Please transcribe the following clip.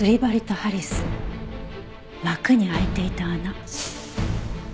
幕に開いていた穴。